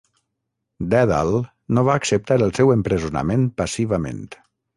Dèdal no va acceptar el seu empresonament passivament.